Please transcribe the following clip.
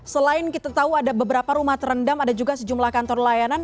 selain kita tahu ada beberapa rumah terendam ada juga sejumlah kantor layanan